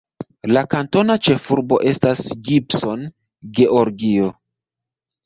La kantona ĉefurbo estas Gibson, Georgio.